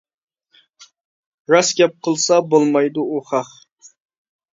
راست گەپ قىلسا بولمايدۇ ئۇ خەق.